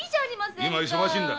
今は忙しいんだ。